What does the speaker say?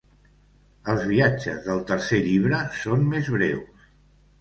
Els viatges del tercer llibre són més breus.